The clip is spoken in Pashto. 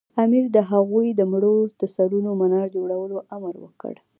امیر د هغوی د مړو د سرونو منار جوړولو امر وکړ.